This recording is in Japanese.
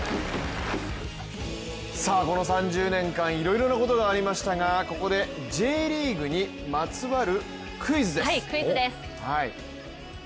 この３０年間、いろいろなことがありましたがここでＪリーグにまつわるクイズです。